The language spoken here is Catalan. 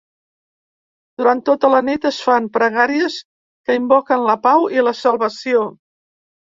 Durant tota la nit es fan pregàries que invoquen la pau i la salvació.